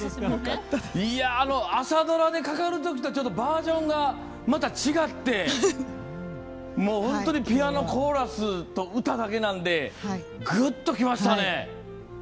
朝ドラでかかるときとちょっとバージョンがまた違って本当にピアノコーラスと歌だけなんでぐっときましたね。